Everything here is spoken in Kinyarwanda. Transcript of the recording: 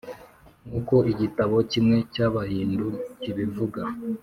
nk’uko igitabo kimwe cy’abahindu kibivuga,